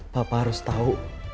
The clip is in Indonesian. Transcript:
papa harus tau